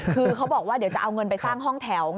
คือเขาบอกว่าเดี๋ยวจะเอาเงินไปสร้างห้องแถว